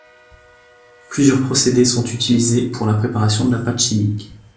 Plusieurs procédés sont utilisés pour la préparation de la pâte chimique.